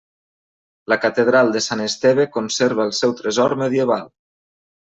La Catedral de Sant Esteve conserva el seu tresor medieval.